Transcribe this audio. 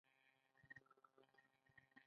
چې موږ ټول یې غواړو.